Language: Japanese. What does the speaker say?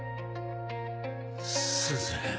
すず。